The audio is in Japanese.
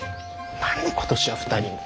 何で今年は２人も。